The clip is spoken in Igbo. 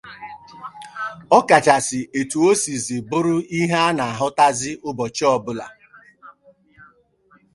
ọkachasị etu o sizị bụrụ ihe a na-ahụtazị ụbọchị ọbụla